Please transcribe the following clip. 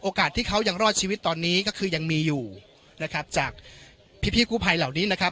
ที่เขายังรอดชีวิตตอนนี้ก็คือยังมีอยู่นะครับจากพี่พี่กู้ภัยเหล่านี้นะครับ